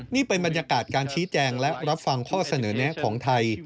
นี่เป็นบรรยากาศการชี้แจงและรับฟังข้อเสนอแนะของไทย